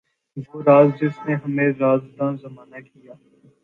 وہ راز جس نے ہمیں راندۂ زمانہ کیا